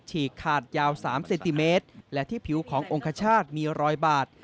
ฉีกขาดยาว๓เซนติเมตรและที่ผิวขององคชาติมีรอยบาด